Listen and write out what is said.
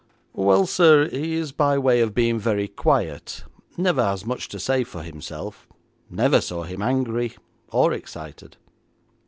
'Well, sir, he is by way of being very quiet, never has much to say for himself; never saw him angry, or excited.'